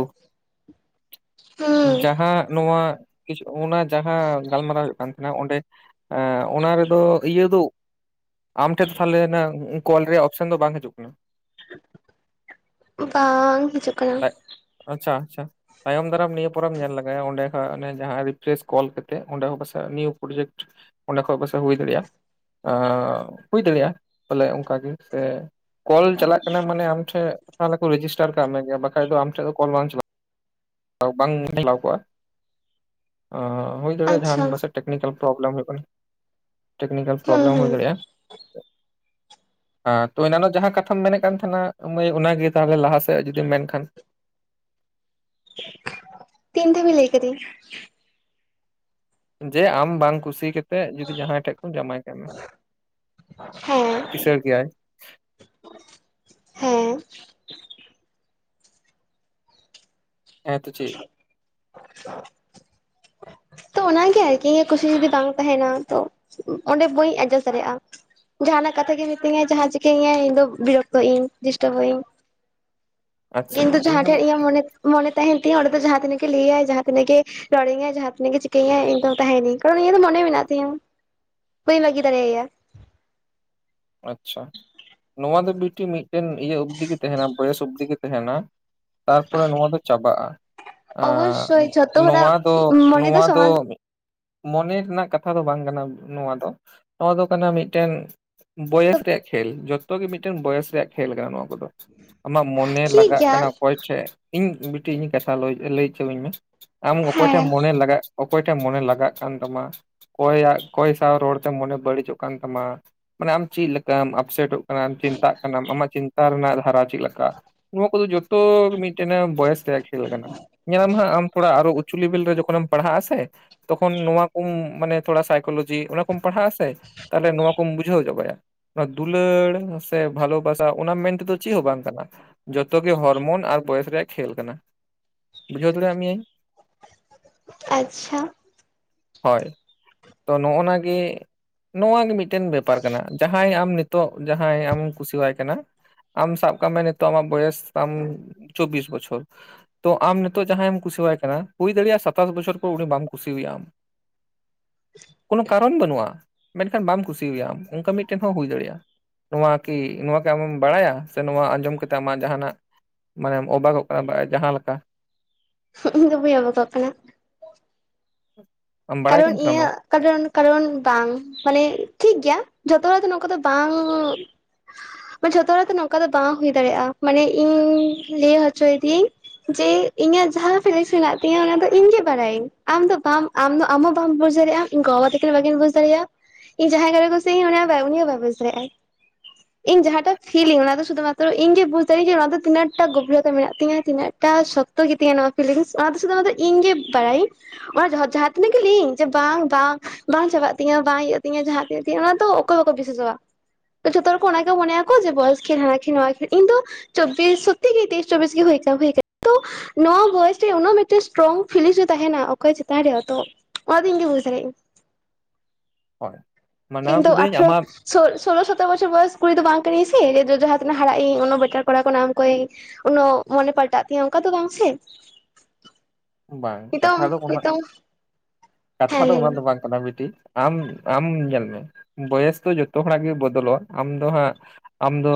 ᱳᱣ᱾ ᱦᱩᱸ ᱡᱟᱦᱟᱸ ᱱᱚᱣᱟ ᱠᱤᱪᱷᱩ, ᱚᱱᱟ ᱡᱟᱦᱟᱸ ᱜᱟᱞᱢᱟᱨᱟᱣ ᱦᱩᱭᱩᱜ ᱠᱟᱱ᱾ ᱱᱟ ᱚᱸᱰᱮ, ᱮᱸ ᱚᱱᱟ ᱨᱮᱫᱚ ᱤᱭᱟᱹ ᱫᱚ ᱟᱢᱴᱷᱮᱫ ᱛᱟᱦᱚᱞᱮ ᱱᱟᱜ, ᱠᱚᱞ ᱨᱮᱭᱟᱜ ᱚᱯᱥᱮᱱ ᱫᱚ ᱵᱟᱝ ᱦᱤᱡᱩᱜ ᱠᱟᱱᱟ᱾ ᱵᱟᱝ, ᱦᱤᱡᱩᱜ ᱠᱟᱱᱟ᱾ ᱟᱪᱪᱷᱟ ᱟᱪᱪᱷᱟ᱾ ᱛᱟᱭᱚᱢ ᱫᱟᱨᱟᱢ ᱱᱤᱭᱟᱹ ᱯᱚᱨᱮᱢ ᱧᱮᱞ ᱞᱮᱟᱜᱟᱭᱟ, ᱚᱸᱰᱮ ᱠᱷᱟ ᱚᱱᱮ ᱡᱟᱦᱟᱸ ᱨᱤᱯᱷᱨᱮᱥ ᱠᱚᱞ ᱠᱟᱛᱮᱫ, ᱚᱸᱰᱮ ᱦᱚᱸ ᱯᱟᱥᱮᱡ ᱱᱤᱭᱩ ᱯᱨᱚᱡᱮᱠᱴ ᱚᱸᱰᱮ ᱠᱷᱚᱡ ᱯᱟᱥᱮᱡ ᱦᱩᱭ ᱫᱟᱲᱮᱭᱟᱜᱼᱟ, ᱦᱩᱭ ᱫᱟᱲᱮᱭᱟᱜᱼᱟ ᱵᱚᱞᱮ ᱚᱱᱠᱟᱜᱮ, ᱥᱮ ᱠᱚᱞ ᱪᱟᱞᱟᱜ ᱠᱟᱱᱟ ᱢᱟᱱᱮ ᱟᱢᱴᱷᱮᱱ, [unintelligible] ᱨᱮᱡᱤᱥᱴᱟᱨ ᱠᱟᱜ ᱢᱮ᱾ ᱵᱟᱠᱷᱟᱡ ᱫᱚ ᱟᱢ ᱴᱷᱮᱱ ᱫᱚ ᱠᱚᱞ ᱵᱟᱝ ᱪᱟᱞᱟᱣ, ᱵᱟᱝ ᱪᱟᱞᱟᱣ ᱠᱚᱜᱼᱟ᱾ ᱟ ᱦᱩᱭ ᱫᱟᱲᱮᱭᱟᱜᱼᱟ ᱡᱟᱦᱟᱱ ᱟᱪᱪᱷᱟ ᱯᱟᱥᱮᱡ ᱴᱮᱠᱱᱤᱠᱮᱞ ᱯᱨᱚᱵᱞᱮᱢ ᱦᱩᱭᱩᱜ ᱠᱟᱱᱟ᱾ ᱴᱮᱠᱱᱤᱠᱮᱞ ᱦᱩᱸ ᱯᱨᱚᱵᱞᱮᱢ ᱦᱩᱭ ᱦᱩᱸ ᱫᱟᱲᱮᱭᱟᱜᱼᱟ᱾ ᱛᱚ ᱮᱱᱟᱱᱚ ᱡᱟᱦᱟᱸ ᱠᱟᱛᱷᱟᱢ ᱢᱮᱱᱮᱜ ᱠᱟᱱ ᱛᱟᱦᱮᱱᱟ, ᱢᱟᱸᱭ ᱚᱱᱟᱜᱮ ᱛᱟᱦᱞᱮ ᱞᱟᱦᱟ ᱥᱮᱫ ᱡᱩᱫᱤ ᱡᱩᱫᱤᱢ ᱢᱮᱱᱠᱷᱟᱱ᱾ ᱛᱤᱱ ᱫᱷᱟᱵᱤᱡ ᱞᱟᱹᱭ ᱠᱤᱫᱤᱧ? ᱡᱮ ᱟᱢ ᱵᱟᱝ ᱠᱩᱥᱤ ᱠᱟᱛᱮᱜ ᱡᱩᱫᱤ ᱡᱟᱦᱟᱸᱭ ᱴᱷᱮᱡ ᱠᱚ ᱡᱟᱶᱟᱭ ᱠᱮᱫ ᱢᱮ, ᱦᱮᱸ ᱠᱤᱥᱟᱹᱬ ᱜᱮᱭᱟᱭ᱾ ᱦᱮᱸ ᱦᱮᱸ, ᱛᱚ ᱪᱮᱫ? ᱛᱚ ᱚᱱᱟᱜᱮ ᱟᱨᱠᱤ ᱤᱧᱟᱹᱜ ᱠᱩᱥᱤ ᱡᱩᱫᱤ ᱵᱟᱝ ᱛᱟᱦᱮᱱᱟ, ᱛᱚ ᱚᱸᱰᱮ ᱵᱟᱹᱧ ᱮᱰᱡᱟᱥᱴ ᱫᱟᱲᱮᱭᱟᱜᱼᱟ᱾ ᱡᱟᱦᱟᱱᱟᱜ ᱠᱟᱛᱷᱟ ᱜᱮ ᱢᱤᱛᱟᱹᱧᱟᱭ ᱡᱟᱦᱟᱸ ᱪᱤᱠᱟᱹ ᱧᱟᱭ ᱤᱧ ᱫᱚ ᱵᱤᱨᱚᱠᱛᱚ ᱤᱧ ᱰᱤᱥᱴᱟᱵᱼᱚᱜ ᱤᱧ᱾ [inaudible] ᱠᱤᱱᱛᱩ ᱤᱧ ᱦᱚᱸ ᱡᱟᱦᱟᱸᱴᱷᱮᱡ ᱤᱧᱟᱹᱜ ᱢᱚᱱᱮ ᱢᱚᱱᱮ ᱛᱟᱦᱮᱱ ᱛᱤᱧᱟ ᱚᱸᱰᱮ ᱫᱚ ᱡᱟᱦᱟ ᱛᱤᱱᱟᱹᱜ ᱜᱮ ᱞᱟᱹᱭᱼᱟᱭ ᱡᱟᱦᱟᱸ ᱛᱤᱱᱟᱹᱜ ᱜᱮ ᱨᱚᱲ ᱤᱧᱼᱟᱭ ᱡᱟᱦᱟᱸ ᱛᱤᱱᱟᱹᱜ ᱜᱮ ᱪᱤᱠ ᱛᱤᱟᱭ, ᱤᱧ ᱫᱚ ᱛᱟᱦᱮᱸᱱᱟᱹᱧ, ᱠᱟᱨᱚᱱ ᱤᱧ ᱫᱚ ᱢᱚᱱᱮ ᱢᱮᱱᱟᱜ ᱛᱤᱧᱟᱹ, ᱵᱟᱹᱧ ᱵᱷᱟᱹᱜᱤ ᱫᱟᱲᱮᱟᱭᱟ᱾ ᱟᱪᱪᱷᱟ, ᱱᱚᱣᱟ ᱫᱚ ᱵᱤᱴᱤ ᱢᱤᱫᱴᱮᱱ ᱤᱭᱟᱹ ᱚᱵᱽᱫᱤᱜ ᱛᱟᱦᱮᱱᱟ ᱵᱚᱭᱮᱥ ᱚᱵᱫᱤᱜᱤ ᱛᱟᱦᱮᱱᱟ᱾ ᱛᱟᱨᱯᱚᱨᱮ ᱱᱚᱣᱟ ᱫᱚ ᱪᱟᱵᱟᱜᱼᱟ, ᱚᱵᱚᱥᱥᱳᱭ ᱡᱷᱚᱛᱚ ᱱᱚᱣᱟ ᱦᱚᱲᱟᱜ ᱫᱚ, ᱢᱚᱱᱮ ᱱᱚᱣᱟ ᱫᱚ ᱥᱚᱢᱟᱱ ᱢᱚᱱᱮ ᱨᱮᱱᱟᱜ ᱠᱟᱛᱷᱟ ᱫᱚ ᱵᱟᱝ ᱠᱟᱱᱟ ᱱᱚᱣᱟ ᱫᱚ, ᱱᱚᱣᱟ ᱫᱚ ᱠᱟᱱᱟ ᱢᱤᱫᱴᱮᱱ ᱵᱚᱭᱮᱥ ᱨᱮᱭᱟᱜ ᱠᱷᱮᱞ, ᱡᱚᱛᱚ ᱜᱮ ᱢᱤᱫᱴᱮᱱ ᱵᱚᱭᱮᱥ ᱨᱮᱭᱟᱜ ᱠᱷᱮᱞ ᱠᱟᱱᱟ ᱱᱚᱣᱟ ᱠᱚᱫᱚ᱾ ᱟᱢᱟᱜ ᱢᱚᱱᱮ ᱴᱷᱤᱠ ᱞᱟᱜᱟᱜ ᱜᱮᱭᱟ ᱠᱟᱱᱟ ᱚᱠᱚᱭ ᱴᱷᱮᱡ, ᱤᱧ ᱵᱤᱴᱤᱡ ᱤᱧ ᱠᱟᱛᱷᱟ ᱞᱚᱭ ᱞᱟᱹᱭ ᱦᱚᱪᱚᱟᱹᱧ ᱢᱮ᱾ ᱟᱢ ᱚᱠᱚᱭ ᱴᱷᱮᱱ ᱦᱮᱸ ᱢᱚᱱᱮ ᱞᱟᱜᱟᱜ ᱚᱠᱚᱭ ᱴᱷᱮᱡ ᱢᱚᱱᱮ ᱞᱟᱜᱟᱜ ᱠᱟᱱ ᱛᱟᱢᱟ, ᱚᱠᱚᱭᱟᱜ ᱚᱠᱚᱭ ᱥᱟᱶ ᱨᱚᱲᱛᱮ ᱢᱚᱱᱮ ᱵᱟᱹᱲᱤᱡᱚᱜ ᱠᱟᱱ ᱛᱟᱢᱟ ᱢᱟᱱᱮ ᱟᱢ ᱪᱮᱫ ᱞᱮᱠᱟᱢ ᱟᱯᱥᱮᱴᱚᱜ ᱠᱟᱱᱟ ᱪᱤᱱᱛᱟᱜ ᱠᱟᱱᱟᱢ ᱟᱢᱟᱜ ᱪᱤᱱᱛᱟ ᱨᱮᱱᱟᱜ ᱫᱷᱟᱨᱟ ᱪᱮᱫ ᱞᱮᱠᱟ ᱾ ᱱᱚᱣᱟ ᱠᱚᱫᱚ ᱡᱚᱛᱚ ᱢᱤᱫᱴᱮᱱ ᱵᱚᱭᱮᱥ ᱛᱟᱭ ᱠᱷᱮᱞ ᱠᱟᱱᱟ ᱧᱮᱞᱢ ᱦᱜ ᱟᱢ ᱛᱷᱚᱲᱟ ᱟᱨᱚ ᱩᱪᱩ ᱞᱮᱵᱮᱞ ᱨᱮ ᱡᱮᱠᱷᱚᱱᱮᱢ ᱯᱟᱲᱦᱟᱜ ᱟ ᱛᱚᱠᱷᱚᱱ ᱱᱚᱶᱟ ᱠᱚᱢ ᱢᱟᱱ ᱛᱷᱚᱲ ᱥᱟᱭᱠᱳᱞᱳᱡᱤ ᱚᱱᱟ ᱠᱚᱢ ᱯᱟᱲᱦᱟᱜ ᱟ ᱥᱮ ᱛᱟᱦᱮ ᱱᱚᱣᱟ ᱠᱚᱢ ᱵᱩ ᱡᱷᱟᱹᱣ ᱪᱟᱵᱟᱭᱟ ᱚᱱᱟ ᱫᱩᱞᱟᱹᱲ ᱥᱮ ᱵᱷᱟᱞᱚ ᱵᱷᱟᱥᱟ ᱚᱱᱟ ᱢᱮᱱᱛᱮᱫᱚ ᱪᱮᱫ ᱦᱚᱸ ᱵᱟᱝ ᱠᱟᱱᱟ ᱾ ᱡᱚᱛᱚᱜᱮ ᱦᱚᱨᱢᱚᱱ ᱟᱨ ᱵᱚᱭᱮᱥ ᱨᱮᱭᱟᱜ ᱠᱷᱮᱞ ᱠᱟᱱᱟ ᱾ ᱵᱩᱡᱟᱹᱣ ᱫᱟᱲᱮᱭᱟᱜ ᱢᱤᱭᱟᱹᱧ ᱾ ᱟᱪᱪᱷᱟ ᱦᱳᱭ ᱛᱚ ᱱᱚᱜᱼᱱᱟ ᱜᱮᱤ ᱱᱚᱜᱣᱟᱜ ᱜᱮ ᱢᱤᱫᱴᱮᱱ ᱵᱮᱯ ᱯᱟᱨ ᱠᱟᱱᱟ ᱡᱟᱦᱟᱸᱭ ᱟᱢ ᱱᱤᱛᱚᱜ ᱡᱟᱦᱟᱸ ᱮᱢ ᱠᱩᱥᱤᱤᱭᱟᱭ ᱠᱟᱱᱟ, ᱟᱢ ᱥᱟᱵ ᱠᱟᱜ ᱢᱮ ᱱᱤᱛᱚᱜ ᱟᱢᱟᱜ ᱵᱚᱭᱚᱥ ᱛᱟᱢ ᱪᱚᱵᱽᱵᱤᱥ ᱵᱚᱪᱷᱚᱨ ᱛᱚ ᱟᱢ ᱱᱤᱛᱚᱜ ᱡᱟᱦᱟᱸᱭᱮ ᱮᱢ ᱠᱩᱥᱤᱣᱟᱭ ᱠᱟᱱᱟ ᱦᱩᱭ ᱫᱟᱲᱮᱭᱟᱜᱼᱟ ᱥᱟᱛᱟᱥ ᱵᱚᱪᱷᱚᱨ ᱯᱚᱨ ᱩᱱᱤ ᱵᱟᱢ ᱠᱩᱥᱤᱤᱭᱣᱟᱭ ᱟᱢ ᱾ ᱠᱳᱱᱳ ᱠᱟᱨᱚᱱ ᱵᱟᱹᱱᱩᱜᱼᱟ ᱢᱮᱱᱠᱷᱟᱱ ᱵᱟᱢ ᱠᱩᱥᱤᱤᱭᱟᱢ ᱚᱱᱠᱟ ᱢᱤᱫᱴᱮᱱ ᱦᱚᱸ ᱦᱩᱭ ᱫᱟᱲᱮᱭᱟᱜᱼᱟ ᱾ ᱱᱚᱣᱟ ᱠᱤ ᱱᱚᱣᱟ ᱠᱤ ᱟᱢᱮᱢ ᱵᱟᱲᱟᱭᱟ? ᱥᱮ ᱱᱚᱣᱟ ᱟᱸᱡᱚᱢ ᱠᱟᱛᱮ ᱟᱢᱟᱜ ᱡᱟᱦᱟᱱᱟᱜ ᱢᱟᱱᱮᱢ ᱚᱵᱟᱜᱚᱜ ᱠᱟᱱᱟ ᱡᱟᱦᱟᱸ ᱞᱮᱠᱟ ᱾ ᱤᱧᱫᱚ ᱚᱵᱷᱟᱯᱚᱜ ᱠᱟᱱᱟ ᱾ [inaudible] ᱠᱟᱨᱚᱱ ᱛᱟᱦᱮᱱᱟ ᱱᱚᱣᱟ ᱤᱧᱟᱹᱜ ᱠᱟᱨᱚᱱ ᱠᱟᱨᱚᱱ ᱵᱟᱝ ᱢᱟᱱᱮ ᱴᱷᱤᱠ ᱜᱮᱭᱟ ᱡᱷᱚᱛᱚ ᱦᱚᱲᱟᱜ ᱫᱚ ᱱᱚᱝᱠᱟ ᱫᱚ ᱵᱟᱝ ᱡᱷᱚᱛᱚ ᱦᱚᱲᱟᱜ ᱫᱚ ᱱᱚᱝᱠᱟ ᱫᱚ ᱵᱟᱝ ᱦᱩᱭ ᱫᱟᱲᱮᱭᱟᱜᱼᱟ ᱢᱟᱱᱮ ᱤᱧ ᱞᱟᱹᱭ ᱦᱚᱪᱚᱭ ᱫᱤᱭᱟᱹᱧ ᱡᱮ ᱤᱧᱟᱹᱜ ᱡᱟᱦᱟᱸ ᱯᱷᱤᱞᱤᱥ ᱢᱮᱱᱟᱜᱮᱱᱟᱜ ᱛᱤᱧᱟᱹ ᱚᱱᱟ ᱫᱚ ᱤᱧᱜᱮ ᱵᱟᱲᱟᱭᱟᱹᱧ ᱟᱢ ᱫᱚ ᱵᱟᱢ ᱟᱢ ᱟᱢ ᱦᱚᱸ ᱵᱟᱢ ᱵᱩᱡᱽ ᱫᱟᱲᱮᱭᱟᱜᱼᱟ ᱤᱧ ᱜᱚᱵᱟᱵᱟ ᱛᱤᱠᱤᱱ ᱦᱚ ᱵᱟᱠᱤᱱ ᱵᱩᱡᱽ ᱫᱟᱲᱮᱭᱟᱜᱼᱟ ᱾ ᱤᱧ ᱡᱟᱦᱟᱸᱭ [unintelligible] ᱠᱩᱥᱤ ᱤᱧ ᱩᱱᱤᱭᱚ ᱵᱟᱭ ᱩᱱᱤᱤᱭ ᱦᱚᱸ ᱵᱟᱭ ᱵᱩᱡᱷ ᱫᱟᱲᱮᱜᱼᱟ ᱾ ᱤᱧ ᱡᱟᱦᱟᱸᱴᱟ ᱯᱷᱤᱞᱤᱧ ᱚᱱᱟ ᱫᱚ ᱥᱩᱫᱷᱩ ᱢᱟᱛᱨᱚ ᱤᱧ ᱜᱮ ᱵᱩᱡ ᱫᱟᱲᱤᱧᱮ ᱚᱱᱟ ᱫᱚ ᱛᱤᱱᱟᱜ ᱴᱟᱜ ᱜᱵᱷᱤᱨᱚᱛᱟ ᱢᱮᱱᱟᱜ ᱛᱤᱧᱟᱹ ᱛᱤᱱᱟᱹ ᱴᱟᱜ ᱥᱚᱠᱛᱚ ᱜᱮᱛᱤᱧᱟ ᱱᱚᱣᱟ ᱯᱷᱤᱞᱤᱝᱥ ᱚᱱᱟ ᱫᱚ ᱥᱩᱫᱩ ᱫᱚ ᱤᱧ ᱜᱮ ᱵᱟᱲᱟᱭ ᱤᱧ ᱚᱱᱟ ᱡᱷᱚ ᱡᱷᱟ ᱤᱱᱟᱹ ᱜᱮ ᱞᱟᱹᱧᱟ ᱡᱮ ᱵᱟᱝ ᱵᱟᱝ ᱵᱟᱝ ᱪᱟᱵᱟᱜ ᱛᱤᱧᱟᱹ ᱵᱟᱝ ᱤᱭᱟᱜ ᱛᱤᱧᱟᱹ ᱡᱟᱦᱟᱸ ᱛᱤᱥ ᱜᱮ ᱚᱱᱟ ᱫᱚ ᱚᱠᱚᱭ ᱵᱟᱠᱚ ᱵᱤᱥᱟᱹᱥᱚᱜᱼᱟ ᱾ ᱛᱚ ᱡᱷᱚᱛᱚ ᱦᱚᱲ ᱠᱚ ᱚᱱᱟᱜᱮ ᱠᱚ ᱢᱚᱱᱮᱭᱟ ᱠᱚ ᱡᱮ ᱵᱚᱭᱚᱥ ᱜᱮ ᱦᱟ ᱜᱮ ᱱᱚᱣᱟ ᱜᱮ, ᱤᱧ ᱫᱚ ᱪᱚᱵᱵᱤᱥ ᱥᱚᱛᱤ ᱜᱮ ᱛᱮᱭᱤᱥ ᱪᱵᱤᱥ ᱜᱮ ᱦᱩᱭ ᱠᱟ ᱦᱩᱭ ᱠᱟᱱ, ᱛᱚ ᱱᱚᱣᱟ ᱵᱚᱭᱮᱥ ᱨᱮ ᱩᱱᱟᱹᱜ ᱢᱤᱫᱴᱮᱱ ᱥᱴᱨᱚᱝ ᱯᱷᱤᱞᱝ ᱫᱚ ᱛᱟᱦᱮᱱᱟ ᱚᱠᱚᱭ ᱪᱮᱛᱟᱱ ᱨᱮ ᱛᱚ ᱚᱱᱟ ᱫᱚ ᱤᱧ ᱜᱮ ᱵᱩᱡᱽ ᱫᱟᱲᱮᱭᱟᱜ ᱟᱹᱧ, ᱦᱳᱭ ᱢᱟᱱᱟᱣ ᱤᱧ ᱫᱚ ᱠᱤᱫᱟᱹᱧ ᱟᱴᱷᱨᱚ ᱟᱢᱟᱜ ᱥᱳ ᱥᱳᱞᱳ ᱥᱚᱛᱳᱨ ᱵᱚᱪᱚᱨ ᱵᱚᱭᱮᱥ ᱠᱩᱲᱤ ᱫᱚ ᱵᱟᱝ ᱠᱟᱱᱟᱭᱧ ᱥᱮ ᱡ ᱡᱟᱦᱟᱸ ᱛᱤᱱᱟᱹ ᱦᱟᱨᱟᱜ ᱤᱧ ᱩᱱᱚᱜ ᱵᱮᱴᱟᱨ ᱠᱚᱲᱟ ᱠᱚ ᱱᱟᱢ ᱠᱚᱣᱟᱧ ᱾ ᱩᱱᱟᱜ ᱢᱚᱱᱮ ᱯᱟᱞᱴᱟᱜ ᱛᱤᱧ ᱚᱱᱠᱟ ᱛᱚ ᱵᱟᱝ ᱥᱮ ᱾ ᱵᱟᱝ, ᱠᱟᱛᱷᱟ ᱫᱚ ᱚᱱᱟ ᱱᱤᱛᱚᱝ ᱠᱟᱛᱷᱟ ᱦᱮᱸ ᱫᱚ ᱞᱟᱹᱭ ᱚᱱᱟ ᱢᱮ ᱫᱚ ᱵᱟᱝ ᱵᱤᱴᱤ ᱟᱢ, ᱟᱢ ᱧᱮᱞ ᱢᱮ ᱵᱚᱭᱮᱥ ᱫᱚ ᱡᱚᱛᱚ ᱦᱚᱲᱟᱜ ᱜᱮ ᱵᱚᱫᱚᱞᱚᱜᱼᱟ ᱟᱢ ᱫᱚ ᱦᱟᱸᱜ ᱟᱢ ᱫᱚ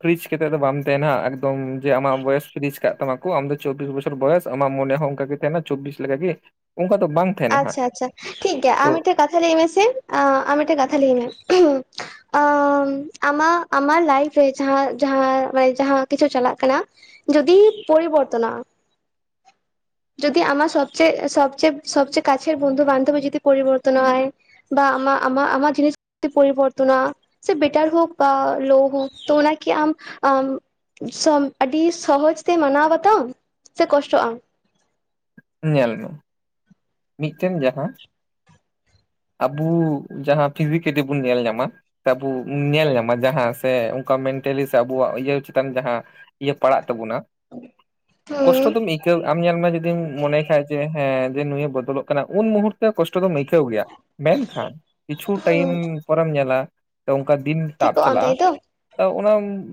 ᱯᱷᱤᱨᱤᱡ ᱠᱟᱛᱮᱼᱮᱫ ᱫᱚ ᱵᱟᱢ ᱛᱟᱦᱮᱱᱟ ᱮᱠᱫᱚᱢ ᱡᱮ ᱟᱢᱟᱜ ᱵᱚᱭᱮᱥ ᱯᱷᱨᱤᱡᱽ ᱠᱟᱜ ᱛᱟᱢᱟ ᱟᱢ ᱫᱚ ᱪᱚᱵᱵᱤᱥ ᱵᱚᱪᱷᱚᱨ ᱵᱚᱭᱚᱥ ᱟᱢᱟᱜ ᱢᱚᱱᱮ ᱦᱚᱸ ᱚᱱᱠ ᱜᱮ ᱛᱟᱦᱮᱱᱟ ᱪᱚᱵᱵᱤᱥ ᱞᱮᱠ ᱜᱮᱮ ᱚᱱᱠᱟ ᱫᱚ ᱵᱟᱝ- ᱛᱟᱦᱮᱱᱟ ᱦᱟᱸᱜ ᱟᱪᱪᱷᱟ ᱟᱪᱪᱷᱟ ᱴᱷᱤᱠᱜᱮᱭᱟ ᱛᱚ ᱟᱢ ᱢᱤᱫᱴᱮᱡ ᱠᱟᱛᱷᱟ ᱞᱟᱹᱭ ᱢᱮᱥᱮ ᱟᱢ ᱢᱤᱫᱴᱮᱡ ᱠᱟᱛᱷᱟ ᱞᱟᱹᱭ ᱢᱮ ᱟᱸ ᱟᱢᱟᱜ, ᱟᱢᱟᱜ ᱞᱟᱭᱤᱯᱷ ᱨᱮ ᱡᱟᱦᱟᱸ ᱡᱟᱸᱦ ᱠᱤᱪᱷᱩ ᱪᱟᱞᱟᱜ ᱠᱟᱱᱟ ᱡᱚᱫᱤ ᱯᱚᱨᱤᱵᱚᱨᱛᱚᱱᱟᱜᱼᱟ ᱡᱩᱫᱤ ᱟᱢᱟᱜ ᱥᱚᱵᱪᱮ ᱥᱚᱵᱪ ᱥᱚᱵᱪᱮ ᱠᱟᱪᱮᱨ ᱵᱚᱱᱫᱩ ᱵᱟᱱᱫᱚᱵ ᱡᱚᱫᱤᱯᱚᱨᱤᱵᱚᱨᱛᱚᱱᱚᱜ ᱟᱭ ᱵᱟ ᱟᱢᱟᱜ ᱟᱢᱟᱜ ᱟᱢᱟᱜ ᱡᱤᱱᱤᱥ ᱡᱩᱫᱤ ᱯᱚᱨᱤᱵᱚᱨᱛᱚᱱᱟ ᱥᱮ ᱵᱮᱴᱟᱨ ᱦᱳᱠ ᱵᱟ ᱞᱳ ᱦᱳᱠ ᱛᱚ ᱚᱱᱟᱠᱤ ᱟᱢ-ᱼ ᱥᱚᱢ ᱟᱹᱰᱤ ᱥᱚᱦᱚᱡ ᱛᱮ ᱢᱟᱱᱟᱣ ᱵᱟᱛᱟᱣ ᱥᱮ ᱠᱚᱥᱴᱚᱜᱼᱟ? ᱧᱮᱞ ᱢᱮ ᱢᱤᱫᱴᱮᱱ ᱡᱟᱦᱟᱸ ᱟᱵᱩ ᱡᱟᱦᱟᱸ ᱯᱷᱤᱡᱤᱠᱮᱰᱮ ᱵᱩ ᱧᱮᱞ ᱧᱟᱢᱟ ᱥᱮᱵᱚ ᱧᱮᱞ ᱧᱟᱢᱟ ᱡᱟᱦᱟᱸ ᱥᱮ ᱚᱱᱠᱟ ᱢᱮᱱᱴᱟᱞᱤ ᱥᱮ ᱟᱵᱚᱣᱟᱜ ᱩᱭᱦᱟᱨ ᱪᱮᱛᱟᱱ ᱡᱟᱦᱟᱸ ᱤᱭᱟᱹ ᱯᱟᱲᱟᱜ ᱛᱟᱵᱚᱱᱟ, ᱠᱚᱥᱴᱚ ᱫᱚᱢ ᱟᱹᱭᱠᱟᱹᱣ ᱟᱢ ᱧᱮᱞ ᱢᱮ ᱡᱩᱫᱤᱢ ᱢᱚᱱᱮ ᱠᱷᱟᱡ ᱡᱮ ᱦᱮᱸ ᱡᱮ ᱱᱩᱭ ᱵᱚᱫᱚᱞᱚᱜ ᱠᱟᱱᱟ ᱩᱱ ᱢᱩᱦᱩᱛᱚ ᱠᱚᱥᱴᱚ ᱫᱚ ᱟᱹᱭᱠᱟᱹᱣ ᱜᱮᱭᱟ ᱢᱮᱱᱠᱷᱟᱱ ᱠᱤᱪᱷᱩ ᱴᱟᱭᱤᱢ ᱯᱚᱨᱮᱢ ᱧᱮᱞᱟ ᱚᱱᱠᱟ ᱫᱤᱱ ᱦᱩᱸ ᱛᱟᱵ ᱴᱷᱤᱠᱚᱜ ᱟᱢ ᱪᱟᱞᱟᱜᱼᱟ᱾ ᱛᱟᱭᱛᱚ ᱛᱚ ᱚᱱᱟ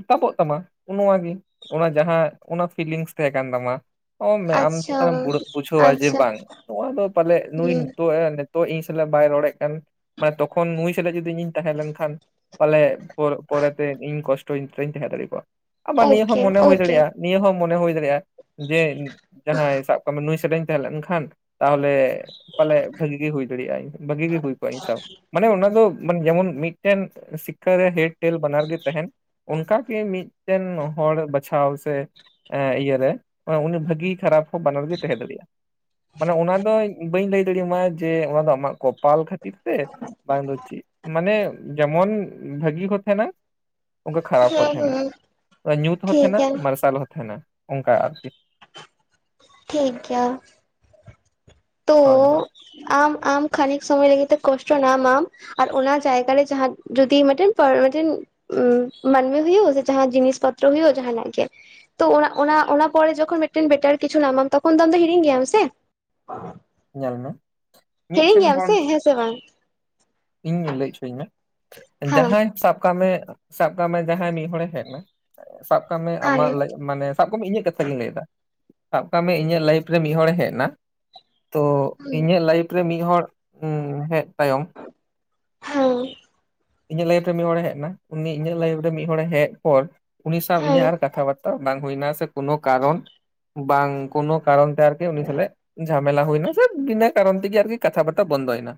ᱛᱟᱯᱚᱜ ᱛᱟᱢᱟ ᱱᱚᱣᱟ ᱜᱮ, ᱚᱱᱟ ᱡᱟᱦᱟᱸ ᱚᱱᱟ ᱯᱷᱤᱞᱤᱝᱥ ᱛᱟᱦᱮᱸ ᱠᱟᱱ ᱛᱟᱢᱟ ᱟᱢᱮᱢ ᱵᱩᱡᱷᱟᱹᱣᱟ ᱡᱮ ᱟᱪᱪᱷᱟ ᱵᱟᱝ ᱱᱚᱣᱟ ᱫᱚ ᱯᱟᱞᱮ ᱱᱩᱭ ᱱᱤᱛᱚᱜᱼᱼ ᱛᱚ ᱤᱧ ᱥᱟᱞᱟᱜ ᱵᱟᱭ ᱨᱚᱲᱮᱫ ᱠᱟᱱ ᱢᱟᱱᱮ ᱛᱚᱠᱷᱚᱱ ᱱᱩᱭ ᱥᱟᱞᱟᱜ ᱡᱩᱫᱤ ᱤᱧᱤᱧ ᱛᱟᱦᱮᱸ ᱞᱮᱱ ᱠᱷᱟᱱᱼᱼ ᱯᱟᱞᱮ ᱯᱚᱨᱮ ᱛᱮ ᱤᱧ ᱠᱚᱥᱴᱚᱧ ᱛᱟᱦᱮᱸ ᱫᱟᱲᱮ ᱟᱵᱟᱨ ᱱᱤᱭᱟᱹ ᱦᱚᱸ ᱢᱚᱱᱮ ᱦᱩᱭ ᱟᱪᱪᱷᱟ ᱫᱟᱲᱮᱭᱟᱜᱼᱟ᱾ ᱱᱤᱭᱟᱹ ᱦᱚᱸ ᱢᱚᱱᱮ ᱦᱩᱭ ᱫᱟᱲᱮᱭᱟᱜᱼᱟ ᱡᱮ ᱡᱟᱦᱟᱸᱭ ᱥᱟᱵ ᱠᱟᱜ ᱢᱮ ᱱᱩᱭ ᱥᱟᱛᱮ ᱛᱟᱦᱮᱸ ᱞᱮᱱᱠᱷᱟᱱ ᱛᱟᱦᱚᱞᱮ ᱯᱟᱞᱮ ᱵᱷᱟᱹᱜᱤ ᱜᱮᱤ ᱦᱩᱭ ᱫᱟᱲᱮᱭᱟᱜᱼᱟ ᱵᱷᱟᱹᱜᱤ ᱜᱮᱤ ᱦᱩᱭ ᱠᱚᱜᱼᱟ ᱤᱧ ᱥᱟᱶ ᱢᱟᱱᱮ ᱚᱱᱟ ᱫᱚᱼᱼ ᱢᱟᱱᱮ ᱡᱮᱢᱚᱱ ᱢᱤᱫᱴᱮᱱ ᱥᱤᱠᱷᱟᱨᱮ ᱦᱮᱰ ᱴᱮᱞ ᱵᱟᱱᱟᱨ ᱜᱮ ᱛᱟᱦᱮᱱᱼᱼ ᱚᱱᱠᱟᱜᱮ ᱢᱤᱫᱴᱮᱱ ᱦᱚᱲ ᱵᱟᱪᱷᱟᱣ ᱥᱮᱼᱼ ᱤᱭᱟᱹᱨ ᱨᱮ ᱩᱱᱤ ᱵᱷᱟᱹᱜᱤ ᱠᱷᱟᱨᱟᱯ ᱵᱟᱱᱟᱨ ᱜᱮ ᱛᱟᱦᱮᱸ ᱫᱟᱲᱮᱭᱟᱜᱼᱟ ᱢᱟᱱᱮ ᱚᱱᱟ ᱫᱚ ᱵᱟᱹᱧ ᱞᱟᱹᱭ ᱫᱟᱲᱮᱭᱟ ᱡᱮ ᱚᱱᱟ ᱫᱚ ᱟᱢᱟᱜ ᱠᱚᱯᱟᱞ ᱠᱷᱟᱹᱛᱤᱨ, ᱴᱷᱤᱠ ᱥᱮ ᱵᱟᱝ ᱫᱚᱪᱤ ᱢᱟᱱᱮ ᱡᱮᱢᱚᱱ ᱵᱷᱟᱹᱜᱤ ᱦᱚᱸ ᱛᱟᱦᱮᱱᱟᱼᱼ ᱚᱱᱠᱟ ᱠᱷᱟᱨᱟᱯ ᱦᱚᱸ ᱛᱟᱦᱮᱱᱟ ᱧᱩᱛ ᱦᱚᱸ ᱦᱩᱸ ᱳᱠᱮ ᱳᱠᱮ ᱦᱩᱸ ᱦᱩᱸ ᱛᱟᱦᱮᱱᱟ ᱴᱷᱤᱠ ᱜᱮᱭᱟ ᱢᱟᱨᱥᱟᱞ ᱦᱚᱸ ᱛᱟᱦᱮᱱᱟ ᱚᱱᱠᱟ ᱟᱨᱠᱤ᱾ ᱴᱷᱤᱠ ᱜᱮᱭᱟ ᱛᱚᱼᱼ ᱦᱳᱭ ᱦᱳᱭ ᱟᱢ ᱟᱢ ᱠᱷᱟᱱᱤᱠ ᱥᱚᱢᱚᱭ ᱞᱟᱹᱜᱤᱫᱜᱮ ᱛᱮ ᱠᱚᱥᱴᱚ ᱧᱟᱢᱟᱢᱼᱼ ᱟᱨ ᱚᱱᱟ ᱡᱟᱭᱜᱟᱟᱨᱮ ᱡᱟᱦᱟᱸ ᱡᱩᱫᱤ ᱢᱤᱫᱴᱮᱱ ᱢᱤᱫᱴᱮᱱ ᱩ ᱢᱟᱱᱢᱤ ᱦᱩᱭᱩᱜ ᱥᱮ ᱡᱟᱦᱟᱸ ᱡᱤᱱᱤᱥ ᱯᱚᱛᱨ ᱦᱩᱭᱩᱜᱳ ᱡᱟᱦᱟᱸᱠ ᱜᱮ᱾ ᱛᱚ ᱚᱱᱟ ᱚᱱᱟ ᱯᱚᱨᱮ ᱡᱚᱠᱷᱚᱱ ᱢᱤᱫᱴᱮᱱ ᱵᱮᱴᱟᱨ ᱠᱤᱪᱷᱩ ᱧᱟᱢᱟᱢ ᱛᱚᱠᱷᱚᱱ ᱫᱚ ᱟᱢ ᱫᱚ ᱦᱤᱲᱤᱧ ᱜᱮᱭᱟᱢ ᱥᱮ᱾ ᱧᱮᱞ ᱢᱮ ᱦᱤᱲᱤᱧ ᱢᱤᱫᱴᱮᱱ ᱜᱮᱭᱟᱢ ᱦᱚᱲ ᱥᱮ ᱫᱚ ᱦᱮᱸ ᱥᱮ ᱵᱟᱝ? ᱤᱧ ᱞᱟᱹᱭ ᱦᱚᱪᱚᱧ ᱢᱮ ᱦᱮᱸ ᱡᱟᱦᱟᱸᱭ ᱥᱟᱵ ᱠᱟᱜ ᱢᱮ ᱥᱟᱵ ᱠᱟᱜ ᱢᱮ ᱡᱟᱦᱟᱸᱭ ᱢᱤᱫ ᱦᱚᱲᱮ ᱦᱮᱡ ᱮᱱᱟ? ᱥᱟᱵ ᱠᱟᱜ ᱢᱮ ᱦᱮᱸ ᱟᱢᱟᱜ ᱢᱟᱱᱮᱼᱼ ᱥᱟᱵ ᱠᱟᱜ ᱢᱮ ᱤᱧᱟᱹᱜ ᱠᱟᱛᱷᱟ ᱜᱮᱧ ᱞᱟᱹᱭᱫᱟ ᱥᱟᱵ ᱠᱟᱜ ᱢᱮ ᱤᱧᱟᱹᱜ ᱞᱟᱭᱤᱯᱷ ᱨᱮ ᱢᱤᱫ ᱦᱚᱲᱮ ᱦᱮᱡ ᱮᱱᱟᱼᱼ ᱛᱚ ᱤᱧᱟᱹᱜ ᱞᱟᱭᱤᱯᱷ ᱨᱮ ᱢᱤᱫᱦᱚᱲ ᱦᱮᱡ ᱛᱟᱭᱚᱢ ᱦᱮᱸ ᱤᱧᱟᱹᱜ ᱞᱟᱭᱤᱯᱷ ᱨᱮ ᱢᱤᱫ ᱦᱚᱲᱮ ᱦᱮᱡ ᱮᱱᱟ ᱩᱱᱤ ᱤᱧᱟᱹᱜ ᱞᱟᱭᱤᱯᱷ ᱨᱮ ᱢᱤᱫ ᱦᱚᱲᱮ ᱦᱮᱡ ᱯᱚᱨ ᱩᱱᱤ ᱥᱟᱶ ᱤᱧᱟᱹᱜ ᱦᱮᱸ ᱟᱨ ᱠᱟᱛᱷᱟ ᱵᱟᱟᱨᱛᱟ ᱵᱟᱝᱼᱼ ᱦᱩᱭᱱᱟ ᱥᱮᱳ ᱠᱟᱨᱚᱱ ᱵᱟᱝᱳᱠᱟᱨᱚᱱ ᱛᱮ ᱟᱨᱠᱤ ᱩᱱᱤ ᱥᱟᱞ ᱡᱷᱟᱯᱼᱼ ᱢᱮᱞᱟ ᱦᱩᱭᱱᱟ ᱥᱮ ᱵᱤᱱᱟ ᱠᱟᱨᱚᱱ ᱛᱮᱜᱮ ᱟᱨᱠᱤ ᱠᱟᱛᱷᱟ ᱵᱟᱨᱛᱟ ᱵᱚᱱᱫᱚ ᱭᱱᱟ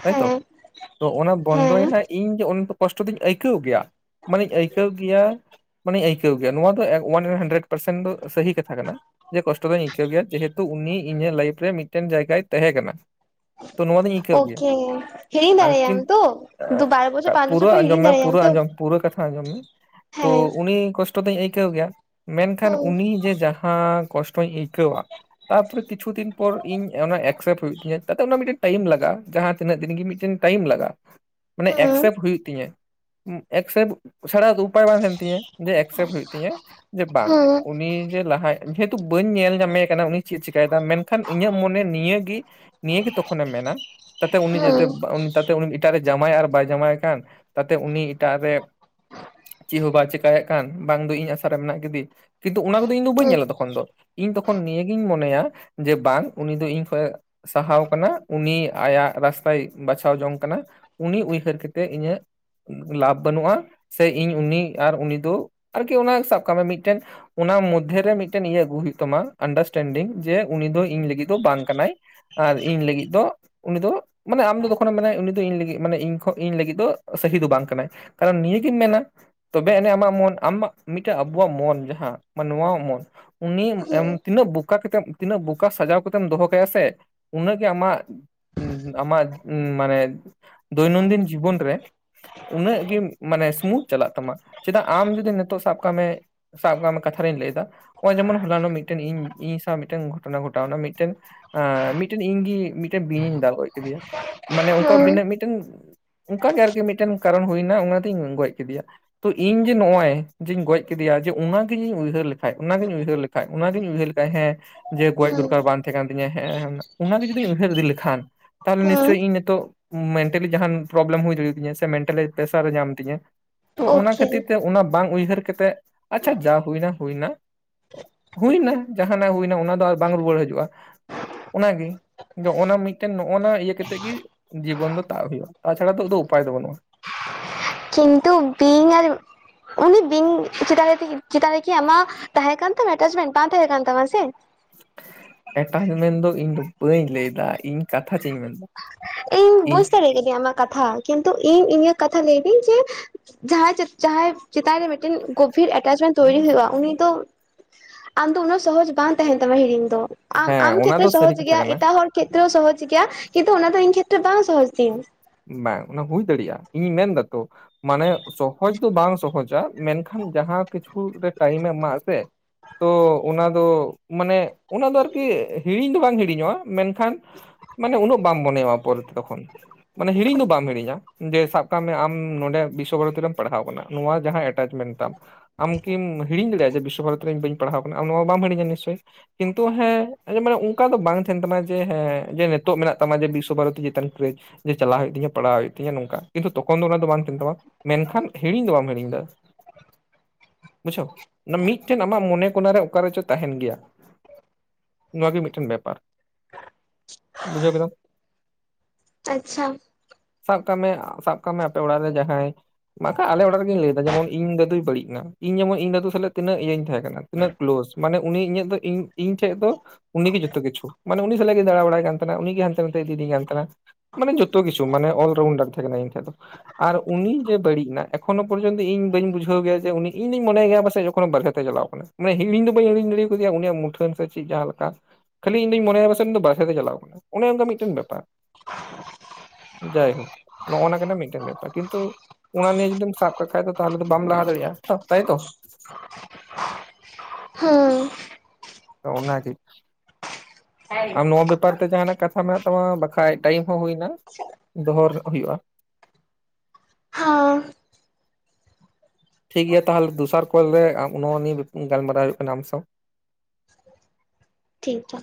ᱛᱟᱭᱛᱚ ᱦᱮᱸ ᱛᱚ ᱚᱱᱟ ᱦᱮᱸ ᱵᱚᱱᱫᱚᱭᱮᱱᱟ ᱤᱧ ᱫᱚᱼᱼ ᱠᱚᱥᱴᱚ ᱫᱚᱧ ᱟᱹᱭᱠᱟᱹᱣ ᱜᱮᱭᱟ ᱢᱟᱱᱮᱧ ᱟᱹᱭᱠᱟᱹᱣ ᱜᱮᱭᱟᱼᱼ ᱢᱟᱱᱮᱧ ᱟᱹᱭᱠᱟᱹᱣ ᱜᱮᱭᱟ ᱱᱚᱣᱟ ᱫᱚ ᱣᱟᱱ ᱦᱟᱱᱰᱨᱮᱰ ᱯᱟᱨᱥᱮᱱᱴ ᱫᱚ ᱥᱟᱹᱦᱤ ᱠᱟᱛᱷᱟ ᱠᱟᱱᱟ᱾ ᱡᱮ ᱠᱚᱥᱴᱚ ᱫᱚᱧ ᱟᱹᱭᱠᱟᱹᱣ ᱜᱮᱭᱟ ᱡᱮᱦᱮᱛᱩ ᱩᱱᱤ ᱤᱧᱟᱹᱜ ᱞᱟᱭᱤᱯᱷ ᱨᱮ ᱢᱤᱫᱴᱮᱱ ᱡᱟᱭᱜᱟᱭ ᱛᱟᱦᱮᱸ ᱠᱟᱱᱟ, ᱛᱚ ᱱᱚᱣᱟ ᱫᱚᱧ ᱟᱹᱭᱠᱟᱹᱣ ᱜᱮᱭᱟ ᱳᱠᱮ ᱦᱤᱲᱤᱧ ᱟᱨ ᱫᱟᱲᱮᱭᱟᱜ ᱟᱢ ᱠᱤᱱᱛᱩ ᱛᱚ ᱫᱩ ᱵᱟᱨ ᱵᱚᱪᱷᱚᱨ ᱯᱟᱸᱪ ᱵᱚᱪᱷᱚᱨ ᱯᱩᱨᱟᱹ ᱯᱚᱨ ᱟᱸᱡᱚᱢ ᱦᱤᱲᱤᱧ ᱢᱮ ᱫᱟᱲᱮᱭᱟᱜ ᱯᱩᱨᱟ. ᱟᱢ ᱛᱚ ᱟᱸᱚᱢ ᱯᱩᱨᱟᱹ ᱠᱟᱛᱷᱟ ᱟᱸᱡᱚᱢ ᱢᱮ ᱛᱚᱼᱼ ᱦᱮᱸ ᱩᱱᱤ ᱠᱚᱥᱴᱚ ᱫᱚᱧ ᱟᱹᱭᱠᱟᱹᱣ ᱜᱮᱭᱟ ᱢᱮᱱᱠᱷᱟᱱ ᱦᱮᱸ ᱩᱱᱤ ᱡᱮ ᱡᱟᱦᱟᱸ ᱠᱚᱥᱴᱚᱧ ᱟᱹᱭᱠᱟᱹᱣᱟᱼᱼ ᱛᱟᱯᱚᱨᱮ ᱠᱤᱪᱷᱩ ᱫᱤᱱᱚᱨ ᱯᱟᱨ ᱤᱧ ᱚᱱᱟ ᱮᱠᱥᱮᱯᱴ ᱦᱩᱭᱩᱜ ᱛᱤᱧᱟᱹ ᱛᱟᱛᱮ ᱚᱱᱟ ᱢᱤᱫᱴᱮᱱ ᱴᱟᱭᱤᱢ ᱞᱟᱜᱟᱜᱼᱟ ᱡᱟᱦᱟᱸ ᱛᱤᱱᱟᱹᱜ ᱫᱤᱱ ᱜᱮ ᱢᱤᱫᱴᱮᱱᱼᱼ ᱴᱟᱭᱢ ᱞᱟᱜᱟ ᱢᱟᱱᱮ ᱮᱠᱥᱮᱯᱴ ᱦᱮᱸ ᱦᱩᱭᱩᱜ ᱛᱤᱧᱟᱹ ᱮᱠᱥᱮᱯᱴ ᱪᱷᱟᱲᱟ ᱩᱯᱟᱭ ᱵᱟᱝ ᱛᱟᱦᱮᱱ ᱛᱤᱧᱟᱹ᱾ ᱡᱮ ᱮᱠᱥᱮᱯ ᱦᱳᱭᱳᱜ ᱛᱤᱧᱟᱹ ᱡᱮ ᱵᱟᱝ ᱩᱱᱤ ᱡᱮ ᱞᱟᱦᱟᱭᱼᱼ ᱡᱮᱦᱮᱛᱩ ᱵᱟᱹᱧ ᱧᱮᱞ ᱧᱟᱢᱮ ᱠᱟᱱᱟ ᱩᱱᱤ ᱪᱮᱫ ᱪᱮᱤᱠᱟᱭᱮᱫᱟ ᱢᱮᱱᱠᱷᱟᱱ ᱤᱧᱟᱹᱜ ᱢᱚᱱᱮ ᱱᱤᱭᱟᱹᱜᱮᱼᱼ ᱱᱤᱭᱟᱹ ᱜᱮ ᱛᱚᱠᱷᱚᱱᱮᱢ ᱢᱮᱱᱟ ᱛᱟᱛᱮ ᱩᱱᱤ ᱡᱟᱛᱮ ᱦᱮᱸ ᱩᱱᱤ ᱛᱟᱛᱮ ᱩᱱᱤ ᱮᱴᱟᱜ ᱨᱮ ᱡᱟᱶᱟᱭ ᱟᱨ ᱵᱟᱭ ᱡᱟᱶᱟᱭ ᱠᱟᱱ ᱛᱟᱛᱮ ᱩᱱᱤ ᱮᱴᱟᱜ ᱨᱮᱼᱼ ᱪᱮᱫ ᱦᱚᱸ ᱵᱟᱭ ᱪᱮᱤᱠᱟᱭᱮᱫ ᱠᱟᱱ ᱵᱟᱝ ᱫᱚ ᱤᱧ ᱟᱥᱟᱨᱮ ᱢᱮᱱᱟᱜ ᱠᱟᱫᱤᱼᱼ ᱠᱤᱱᱛᱩ ᱚᱱᱟ ᱠᱚᱫᱚ ᱤᱧ ᱫᱚ ᱵᱟᱹᱧ ᱧᱮᱞᱟ ᱛᱚᱠᱷᱚᱱ ᱫᱚ ᱤᱧ ᱛᱚᱠᱷᱚᱱ ᱱᱤᱭᱟᱹᱜᱤᱧ ᱢᱚᱱᱮᱭᱟ ᱡᱮ ᱵᱟᱝ ᱩᱱᱤ ᱫᱚ ᱤᱧ ᱠᱷᱚᱼᱼ ᱥᱟᱦᱟᱣ ᱠᱟᱱᱟ ᱩᱱᱤ ᱟᱭᱟᱜ ᱨᱟᱥᱛᱟᱭ ᱵᱟᱪᱷᱟᱣ ᱡᱚᱝ ᱠᱟᱱᱟ᱾ ᱩᱱᱤ ᱩᱭᱦᱟᱹᱨ ᱠᱟᱛᱮᱮᱫ ᱤᱧᱟᱹᱜ ᱞᱟᱵᱷ ᱵᱟᱹᱱᱩᱜᱼᱟ᱾ ᱥᱮ ᱤᱧ ᱩᱱᱤ ᱟᱨ ᱩᱱᱤ ᱫᱚ ᱟᱨᱠᱤ ᱚᱱᱟ ᱥᱟᱵ ᱠᱟᱜ ᱢᱮ ᱢᱤᱫᱴᱮᱱ ᱚᱱᱟ ᱢᱚᱫᱽᱫᱷᱮ ᱨᱮ ᱢᱤᱫᱴᱮᱱ ᱤᱭᱟᱹ ᱟᱹᱜᱩ ᱦᱩᱭᱩᱜ ᱛᱟᱢᱟ ᱟᱱᱰᱟᱨᱥᱴᱮᱱᱰᱤᱝ ᱡᱮ ᱩᱱᱤ ᱫᱚ ᱤᱧ ᱞᱟᱹᱜᱤᱫ ᱫᱚ ᱵᱟᱝ ᱠᱟᱱᱟᱭ᱾ ᱟᱨ ᱤᱧ ᱞᱟᱹᱜᱤᱫ ᱫᱚ ᱩᱱᱤ ᱫᱚ ᱢᱟᱱᱮ ᱟᱢ ᱫᱚ ᱛᱚᱠᱷᱚᱱᱮᱢ ᱢᱮᱱᱟ ᱩᱱᱤ ᱫᱚ ᱤᱧ ᱞᱟᱹᱜᱤᱫᱼᱼ ᱢᱟᱱᱮ ᱤᱧ ᱤᱧ ᱞᱟᱹᱜᱤᱫ ᱫᱚ ᱥᱟᱹᱦᱤ ᱫᱚ ᱵᱟᱝ ᱠᱟᱱᱟᱭ ᱠᱟᱨᱚᱱ ᱱᱤᱭᱟᱹᱜᱤᱢ ᱢᱮᱱᱟᱼᱼ ᱛᱚᱵ ᱮᱱᱮ ᱟᱢᱟᱜ ᱢᱚᱱ ᱟᱢᱟᱜ ᱢᱤᱫᱴᱮᱱ ᱟᱵᱚᱣᱟᱜ ᱢᱚᱱ ᱡᱟᱦᱟᱸ ᱱᱚᱣᱟ ᱢᱚᱱ ᱾ ᱩᱱᱤ ᱦᱮᱸ ᱟᱢ ᱛᱤᱱᱟᱹᱜ ᱵᱚᱠᱟ ᱠᱟᱛᱮ ᱛᱤᱱᱟᱹᱜ ᱵᱚᱠᱟ ᱥᱟᱡᱟᱣ ᱠᱟᱛᱮᱢ ᱫᱚᱦᱚ ᱠᱟᱭᱟ ᱥᱮ? ᱩᱱᱟᱹᱜ ᱜᱮ ᱟᱢᱟᱜ, ᱟᱢᱟᱜ ᱢᱟᱱᱮ ᱹᱹᱹ ᱫᱳᱱᱚᱱᱫᱤᱱ ᱡᱤᱵᱚᱱ ᱨᱮ ᱹᱹᱹ ᱾ ᱩᱱᱟᱹᱜ ᱜᱮ ᱢᱟᱱᱮ ᱥᱩᱢᱩᱛᱷ ᱪᱟᱞᱟᱜ ᱛᱟᱢᱟ ᱪᱮᱫᱟᱜ ᱟᱢ ᱡᱩᱫᱤ ᱱᱤᱛᱚᱜ ᱥᱟᱵ ᱠᱟᱜ ᱢᱮ ᱹᱹᱹ᱾ ᱥᱟᱵ ᱠᱟᱜ ᱢᱮ ᱠᱟᱛᱷᱟ ᱨᱤᱧ ᱞᱟᱹᱭᱫᱟ ᱥᱟᱵ ᱠᱟᱜ ᱢᱮ ᱠᱟᱛᱷᱟ ᱨᱮᱧ ᱞᱟᱹᱭ, ᱫᱟ ᱱᱚ ᱜᱼᱚᱸᱭ ᱡᱮᱢᱚᱱ ᱦᱚᱞᱟᱱᱚᱜ ᱢᱤᱫᱴᱮᱱ ᱤᱧ ᱤᱧ ᱥᱟᱶ ᱢᱤᱫᱴᱟᱝ ᱜᱷᱚᱴᱚᱱᱟ ᱜᱷᱚᱴᱟᱣ ᱱᱟ ᱢᱤᱫᱴᱟᱝ ᱹᱹᱹ ᱟᱸᱻᱢᱤᱫᱴᱮᱱ ᱤᱧ ᱜᱤᱧ ᱢᱤᱫᱴᱟᱝ ᱵᱤᱧᱤᱧ ᱫᱟᱞ ᱜᱚᱡ ᱠᱮᱫᱮᱭᱟ, ᱢᱟᱱᱮ ᱚᱱᱠᱟ ᱦᱮᱸ ᱵᱤᱱᱟᱹ ᱢᱤᱫᱹᱹᱹᱹ᱾ ᱢᱤᱫᱴᱟᱝ ᱚᱱᱠᱟᱜᱮ ᱟᱨᱠᱤ ᱢᱤᱫᱴᱮᱱ ᱠᱟᱨᱚᱱ ᱦᱩᱭᱱᱟ ᱚᱱᱟᱛᱤᱧ ᱜᱚᱡ ᱠᱮᱫᱮᱭᱟ᱾ ᱛᱚ, ᱤᱧ ᱡᱮ ᱱᱚᱜᱼᱚᱭ ᱡᱮᱧ ᱜᱚᱡ ᱠᱮᱫᱮᱭᱟ ᱡᱮ ᱚᱱᱟᱜᱤᱧ ᱩᱭᱦᱟᱹᱨ ᱞᱮᱠᱷᱟᱡ ᱚᱱᱟᱜᱤᱧ ᱩᱭᱦᱟᱹᱨ ᱞᱮᱹᱹᱹ ᱾ ᱦᱟᱸᱜ, ᱚᱱᱟ ᱜᱤᱧ ᱩᱭᱦᱟᱹᱨᱮᱫᱟ ᱦᱮᱸ! ᱡᱮ ᱜᱚᱡ ᱫᱚᱨᱠᱟᱨ ᱦᱩᱸ ᱵᱟᱝ ᱛᱮᱸᱦᱮᱸ ᱠᱟᱱ ᱛᱤᱧᱟᱹ ᱦᱮᱸ ᱚᱱᱟᱜᱮ ᱡᱩᱫᱤᱧ ᱩᱭᱦᱟᱹᱨ ᱤᱫᱤ ᱞᱮᱠᱷᱟᱱ ᱛᱟᱦᱚᱞᱮ ᱦᱩᱸ ᱱᱤᱥᱪᱳᱭ ᱤᱧ ᱱᱤᱛᱳᱜᱹᱹᱹ᱾ ᱢᱮᱱᱴᱟᱞᱤ ᱡᱟᱸᱦᱟᱸᱱ ᱯᱨᱚᱵᱽᱞᱮᱢ ᱦᱩᱭ ᱫᱟᱲᱮᱭᱟ ᱛᱤᱧᱟᱹ ᱥᱮ ᱢᱮᱱᱴᱟᱞᱤ ᱯᱨᱮᱥᱟᱨᱮ ᱧᱟᱢ ᱛᱤᱧᱟᱹ ᱛᱚ, ᱚᱱᱟ ᱳᱠᱮ ᱠᱷᱟᱹᱛᱤᱨ ᱛᱮ ᱚᱱᱟ ᱵᱟᱝ ᱩᱭᱦᱟᱹᱨ ᱠᱟᱛᱮᱜ ᱟᱪᱪᱷᱟ ᱡᱟ ᱦᱩᱭᱱᱟ ᱦᱩᱭᱱᱟ ᱾ ᱦᱩᱭᱱᱟ, ᱡᱟᱦᱟᱱᱟᱜ ᱦᱩᱭᱱᱟ ᱚᱱᱟ ᱫᱚ ᱵᱟᱝ ᱨᱩᱣᱟᱹᱲ ᱦᱤᱡᱩᱜᱼᱟ᱾ ᱚᱱᱟᱜᱮ ᱱᱚᱜᱱᱟ ᱢᱤᱫᱴᱟᱝ ᱱᱚᱜᱼᱱᱚᱣᱟ ᱤᱭᱟᱹ ᱠᱟᱛᱮᱜ ᱜᱮ ᱡᱤᱵᱚᱱ ᱫᱚ ᱾ ᱛᱟᱣᱰᱤᱭᱳ, ᱛᱟᱪᱷᱟᱲᱟ ᱱᱤᱛᱳᱜ ᱩᱯᱟᱭ ᱫᱚ ᱵᱟᱹᱱᱩᱜᱼᱟ᱾ ᱪᱷᱤᱱᱫᱩ ᱵᱤ ᱾ ᱤᱧ ᱟᱹᱛᱩ ᱾ ᱩᱱᱤ ᱵᱤᱧᱻ ᱪᱮᱫᱟᱜ-ᱫᱮᱹᱠᱷᱤ ᱪᱮᱫᱟᱜ-ᱫᱮᱹᱠᱷᱤ ᱟᱢᱟᱜ ᱛᱟᱦᱮᱸ ᱠᱟᱱ ᱛᱟᱢᱟ ᱮᱴᱟᱪᱢᱮᱱ? ᱵᱟᱝ ᱛᱟᱦᱮᱸ ᱠᱟᱱ ᱛᱟᱢᱟ ᱥᱮ ᱾ ᱮᱴᱟᱜ ᱨᱤᱢᱤᱞ ᱫᱚ ᱤᱧ ᱫᱚ ᱵᱟᱹᱧ ᱞᱟᱹᱭᱫᱟ ᱤᱧᱹᱹᱹ᱾ ᱤᱧ ᱵᱩᱡᱽ ᱫᱟᱲᱮᱭᱟᱠᱤᱫᱤᱧ ᱟᱢᱟᱜ ᱾ ᱠᱟᱛᱷᱟ, ᱠᱤᱱᱛᱩ ᱤᱧ ᱤᱧᱟᱹᱜ ᱠᱟᱛᱷᱟ ᱞᱟᱹᱭᱫᱟᱹᱧ ᱡᱮ ᱡᱟᱦᱟᱸᱭ- ᱡᱟᱦᱟᱸᱭ ᱪᱮᱛᱟᱱ ᱨᱮ ᱹᱹᱹ ᱴᱮᱱ ᱜᱚᱵᱷᱤᱨ ᱮᱴᱟᱪᱢᱮᱱᱴ ᱛᱚᱭᱭᱨᱤ ᱦᱩᱭᱩᱜᱼᱟ ᱩᱱᱤ ᱫᱚ ᱹᱹᱹ ᱟᱢ ᱫᱚ ᱩᱱᱟᱹᱜ ᱥᱚᱦᱚᱡᱽ ᱵᱟᱝ ᱛᱟᱦᱮᱱ ᱛᱟᱢᱟ ᱦᱤᱲᱤᱧ ᱫᱚ ᱟᱢ ᱦᱮᱸ ᱟᱢ ᱴᱷᱮᱱ ᱚᱱᱟ ᱫᱚ ᱥᱟᱹᱨᱤ ᱥᱚᱦᱚᱡᱽ ᱠᱟᱛᱷᱟ ᱜᱮᱭᱟ ᱠᱟᱱᱟ ᱮᱴᱟᱜ ᱦᱚᱲ ᱹᱹᱹ ᱠᱷᱮᱛᱨᱚ ᱥᱚᱦᱚᱡᱽ ᱜᱮᱭᱟ ᱠᱤᱱᱛᱩ ᱚᱱᱟ ᱫᱚ ᱤᱧ ᱠᱷᱮᱛᱨᱮ ᱵᱟᱝ ᱥᱚᱦᱚᱡᱽ ᱜᱮᱭᱟ ᱾ ᱵᱟᱝ, ᱚᱱᱟ ᱦᱩᱭ ᱫᱟᱲᱮᱭᱟᱜᱼᱟ ᱤᱧᱤᱧ ᱢᱮᱱ ᱫᱟᱛᱚ ᱾ ᱢᱟᱱᱮ ᱥᱚᱦᱚᱡ ᱫᱚ ᱵᱟᱝ ᱥᱚᱦᱚᱡᱟ ᱢᱮᱱᱠᱷᱟᱱ ᱡᱟᱦᱟᱸ ᱠᱤᱪᱷᱩ ᱨᱮ ᱴᱟᱭᱤᱢᱮᱢ ᱮᱢᱟᱜ ᱟᱥᱮᱹᱹᱹ ᱛᱚᱻ, ᱚᱱᱟ ᱫᱚ ᱢᱟᱱᱮ ᱚᱱᱟ ᱫᱚ ᱟᱨᱠᱤ ᱦᱤᱲᱤᱧ ᱫᱚ ᱵᱟᱝ ᱦᱤᱲᱤᱧᱚᱜᱼᱟ ᱢᱮᱱᱠᱷᱟᱱᱹᱹᱹ ᱢᱟᱱᱮ, ᱩᱱᱟᱹᱜ ᱵᱟᱢ ᱢᱚᱱᱮᱣᱟ ᱯᱚᱨ ᱛᱚᱠᱷᱚᱱ ᱢᱟᱱᱮ ᱦᱤᱲᱤᱧ ᱫᱚ ᱵᱟᱢ ᱦᱤᱲᱤᱧᱟ ᱾ ᱡᱮ, ᱥᱟᱵ ᱠᱟᱜ ᱢᱮ ᱟᱢ ᱱᱚᱰᱮ ᱵᱤᱥᱥᱚ ᱵᱷᱟᱨᱚᱛᱤ ᱨᱮᱢ ᱯᱟᱲᱦᱟᱣ ᱟᱠᱟᱱᱟ ᱱᱚᱣᱟ ᱡᱟᱦᱟᱸ ᱮᱴᱟᱪᱢᱮᱱᱴ ᱛᱟᱢ ᱾ ᱟᱢ ᱠᱤ ᱦᱤᱲᱤᱧ ᱫᱟᱲᱮᱭᱟᱜᱼᱟ ᱡᱮ ᱵᱤᱥᱥᱚ ᱵᱷᱚᱛᱤ ᱨᱮ ᱤᱧ ᱵᱟᱹᱧ ᱯᱟᱲᱦᱟᱣ ᱠᱟᱱᱟ ᱟᱢ ᱱᱚᱣᱟ ᱵᱟᱢᱦᱲᱤᱤᱧᱟ ᱱᱤᱥᱪᱚᱭ ᱾ ᱠᱤᱱᱛᱩ ᱦᱮᱸ ᱢᱟᱱᱮ ᱚᱱᱠᱟ ᱫᱚ ᱵᱟᱝ ᱠᱤᱱᱛᱩ ᱦᱮᱸ ᱟᱸᱡᱚᱢᱮ ᱱᱟᱜ ᱚᱱᱠᱟ ᱫᱚ ᱵᱟᱝ ᱛᱟᱦᱮᱱ ᱛᱟᱢᱟ ᱡᱮ ᱦᱮᱸ ᱡᱮ ᱱᱤᱛᱚᱜ ᱢᱮᱱᱟᱜ ᱛᱟᱢᱟ ᱡᱮ ᱵᱤᱥᱥᱚ ᱵᱷᱟᱨᱚᱛᱤ ᱪᱮᱛᱟᱱ ᱠᱨᱮ ᱾ ᱡᱮ ᱪᱟᱞᱟᱜ ᱦᱩᱭᱩᱜ ᱛᱤᱟᱹ ᱯᱟᱲᱟᱣ ᱦᱩᱭᱩᱜ ᱛᱤᱧᱟᱹ ᱱᱚᱝᱠᱟ ᱠᱤᱱᱛᱩ ᱪᱟᱞᱟᱣ ᱡᱮ, ᱪᱟᱞᱟᱣ ᱦᱳᱭᱳᱜ ᱯᱟᱰᱦᱟᱣ ᱦᱳᱭᱳᱜ ᱛᱤᱧᱟ ᱱᱚᱝᱠᱟ ᱠᱤᱱᱛᱩ ᱛᱚᱠᱷᱚᱱ ᱫᱚ ᱚᱱᱟ ᱫᱚ ᱵᱟᱝ ᱛᱟᱦᱮᱱ ᱛᱟᱢᱟ ᱢᱮᱱᱠᱷᱟᱱ ᱦᱤᱲᱤᱧ ᱫᱚ ᱵᱟᱢ ᱦᱤᱲᱤᱧ ᱮᱟ ᱾ [inaudible] ᱵᱩᱡᱷᱟᱹᱣ, ᱢᱤᱫᱴᱮᱱ ᱟᱢᱟᱜ ᱢᱚᱱᱮ ᱠᱚᱱᱟᱨᱮ ᱚᱠᱟᱨᱮ ᱪᱚ ᱛᱟᱦᱮᱱ ᱜᱮᱭᱟ ᱾ ᱱᱚᱣᱟᱣᱟᱜᱮ ᱢᱤᱫᱴᱮᱱ ᱵᱮᱯᱟᱨ, ᱵᱩᱡᱷᱟᱹᱣ ᱠᱮᱫᱟᱢ ᱾ ᱟᱪ-ᱪᱷᱟᱹᱹᱹᱹ ᱥᱟᱵ ᱠᱟᱜ ᱢᱮ ᱥᱟᱵ ᱠᱟᱜ ᱢᱮ ᱟᱯᱮ ᱚᱲᱟᱜ ᱨᱮ ᱡᱟᱦᱟᱸᱭᱹᱹᱹ ᱵᱟᱝᱠᱷᱟᱱ ᱟᱞᱮ ᱚᱲᱟᱜ ᱨᱮᱜᱧ ᱞᱟᱹᱭᱫᱟ ᱵᱟᱠᱷᱟ ᱟᱞᱮᱚᱲᱟᱜ ᱨᱮ ᱜᱤᱧ ᱞᱟᱹᱭ ᱮᱫᱟ ᱡᱮᱢᱚᱱ ᱤᱧ ᱫᱟᱹᱫᱩᱭ ᱵᱟᱹᱲᱤᱡ ᱮᱱᱟ ᱤᱧ ᱡᱮᱢᱚᱱ ᱤᱧ ᱫᱟᱹᱫᱩ ᱥᱟᱞᱟᱜ ᱛᱤᱱᱟᱹᱜ ᱤᱭᱟᱹᱧ ᱛᱟᱦᱮᱸ ᱠᱟᱱᱟ ᱾ ᱛᱤᱱᱟᱹᱜ ᱠᱞᱳᱥ, ᱢᱟᱱᱮ ᱩᱱᱤ ᱤᱧᱟᱹᱜ ᱫᱚ ᱤᱧ ᱴᱷᱮᱡ ᱫᱚᱹᱹᱹ ᱩᱱᱤᱜᱮ ᱡᱚᱛᱚ ᱠᱤᱪᱷᱩ ᱢᱟᱱᱮ ᱩᱱᱤ ᱥᱟᱞᱟᱜ ᱜᱮᱧ ᱫᱟᱲᱟ ᱵᱟᱲᱟᱭ ᱠᱟᱱ ᱛᱟᱦᱮᱱᱟ ᱩᱱᱤᱜᱮ ᱦᱟᱱᱛᱮ ᱱᱟᱛᱮ ᱤᱫᱤᱭᱤᱧ ᱠᱟᱱ ᱛᱟᱦᱮᱸᱱᱟ ᱾ ᱢᱟᱱᱮ ᱡᱚᱛᱚ ᱠᱪᱷᱩ ᱢᱟᱱᱮ ᱚᱞ ᱨᱟᱩᱱᱰᱟᱨ ᱛᱟᱦᱮᱸ ᱠᱟᱱᱟᱭ ᱤᱧ ᱴᱷᱮᱡ ᱫᱚ ᱾ ᱟᱨ ᱩᱱᱤ ᱡᱮ ᱵᱟᱹᱲᱤᱡ ᱮᱱᱟ ᱮᱠᱷᱚᱱᱳ ᱯᱚᱨᱡᱚᱱᱛ ᱤᱧ ᱵᱟᱹᱧ ᱵᱩᱡᱷᱟᱹᱣ ᱜᱮᱭᱟᱡᱮ ᱩᱱᱤ ᱤᱧ ᱫᱚᱧ ᱢᱚᱱᱮᱭᱟ ᱯᱟᱥᱮᱡ ᱡᱚᱠᱷᱚᱱ ᱵᱟᱨᱦᱮᱛᱮ ᱪᱟᱞᱟᱣ ᱟᱠᱟᱱᱟ ᱾ ᱢᱟᱱᱮ ᱦᱤᱲᱤᱧ ᱫᱚ ᱵᱟᱹᱧ ᱦᱤᱲᱤᱧ ᱫᱟᱲᱮ ᱭᱟᱯᱮᱭᱟ ᱩᱱᱤᱭᱟᱜ ᱢᱩᱴᱷᱟᱹᱱ ᱥᱮ ᱪᱮᱫ ᱡᱟᱦᱟᱸ ᱞᱮᱠᱟ ᱾ ᱠᱷᱟᱹᱞᱤ ᱤᱧ ᱫᱩᱧ ᱢᱚᱱᱮᱭᱟ ᱯᱟᱥᱮ ᱩᱱᱤ ᱫᱚ ᱵᱟᱨᱦᱮᱨᱮ ᱪᱟᱞᱟᱣ ᱠᱟᱱᱟ ᱚᱱᱮ ᱚᱱᱠᱟ ᱢᱤᱫᱴᱟᱝ ᱵᱮᱯᱟᱨ ᱾ ᱡᱟᱭᱦᱳᱠ, ᱱᱚᱜᱼᱚ ᱱᱚᱣᱟ ᱠᱟᱱᱟ ᱢᱤᱫᱴᱟᱝ ᱵᱮᱯᱟᱨ ᱠᱤᱱᱛᱩ ᱹᱹᱹ ᱚᱱᱟ ᱱᱤᱭᱟᱹ ᱡᱩᱫᱤᱢ ᱥᱟᱵ ᱠᱟᱜ ᱠᱷᱟᱱ ᱫᱚ ᱛᱟᱦᱚᱞᱮ ᱫᱚ ᱵᱟᱢ ᱞᱟᱦᱟ ᱫᱟᱲᱮᱭᱟᱜᱼᱟ ᱛᱟᱭᱛᱚ ᱾ ᱦᱟᱻ ᱣᱻ ᱾ ᱱᱚᱜ ᱱᱟ ᱜᱮ ᱾ ᱦᱮᱸ ᱟᱢ ᱱᱚᱣᱟ ᱵᱮᱯᱟᱨ ᱛᱮ ᱡᱟᱦᱱᱟᱜ ᱠᱟᱛᱷᱟ ᱢᱮᱱᱟᱜ ᱛᱟᱢᱟ ᱵᱟᱠᱷᱟᱡ ᱴᱟᱭᱤᱢ ᱦᱚᱸ ᱦᱩᱭᱱᱟ ᱫᱚᱦᱚᱨ ᱦᱩᱭᱩᱜ-ᱟ ᱦᱟᱸ ᱴᱷᱤᱠ ᱜᱮᱭᱟ ᱛᱟᱦᱚᱞᱮ ᱫᱚᱥᱟᱨ ᱠᱚᱞ ᱨᱮ ᱟᱢ ᱱᱚᱣᱟ ᱱᱤᱭᱟᱹ ᱜᱟᱞᱢᱟᱨᱟᱣ ᱦᱩᱭᱩᱜ ᱠᱟᱱᱟ ᱟᱢ ᱥᱟᱶ ᱴᱷᱤᱠ ᱜᱮᱭᱟ᱾